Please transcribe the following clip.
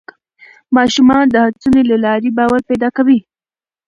ماشومان د هڅونې له لارې باور پیدا کوي